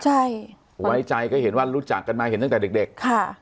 ใช่ไว้ใจก็เห็นว่ารู้จักกันมาเห็นตั้งแต่เด็กเด็กค่ะ